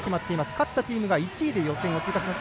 勝ったチームが１位で予選通過します。